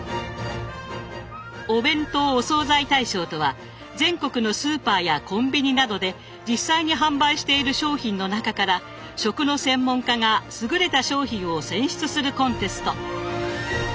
「お弁当・お惣菜大賞」とは全国のスーパーやコンビニなどで実際に販売している商品の中から食の専門家が優れた商品を選出するコンテスト。